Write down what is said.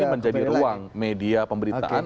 menjadi ruang media pemberitaan